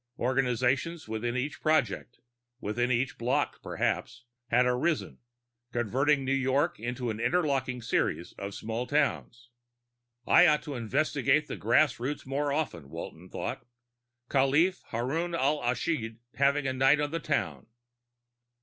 Organizations within each project, within each block perhaps, had arisen, converting New York into an interlocking series of small towns. I ought to investigate the grass roots more often, Walton thought. _Caliph Haroun al Raschid having a night on the town.